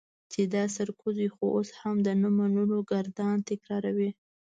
چې دا سرکوزی خو اوس هم د نه منلو ګردان تکراروي.